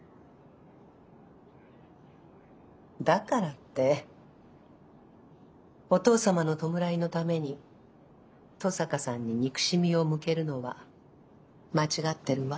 だからってお父様の弔いのために登坂さんに憎しみを向けるのは間違ってるわ。